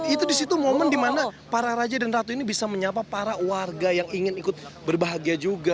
itu disitu momen dimana para raja dan ratu ini bisa menyapa para warga yang ingin ikut berbahagia juga